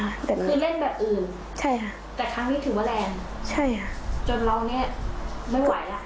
คือเล่นแบบอื่นแต่ครั้งนี้ถือว่าแรงจนเรานี่ไม่ไหวล่ะใช่ค่ะ